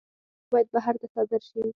میوې باید بهر ته صادر شي.